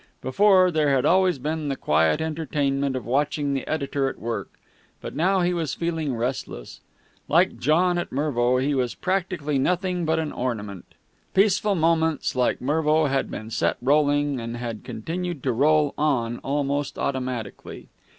Before, there had always been the quiet entertainment of watching the editor at work, but now he was feeling restless. Like John at Mervo, he was practically nothing but an ornament. Peaceful Moments, like Mervo, had been set rolling and had continued to roll on almost automatically.